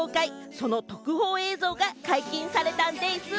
その特報映像が解禁されたんでぃす。